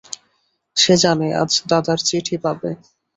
সে জানে আজ দাদার চিঠি পাবে।